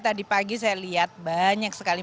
tadi pagi saya lihat banyak sekali